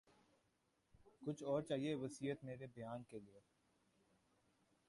کچھ اور چاہیے وسعت مرے بیاں کے لیے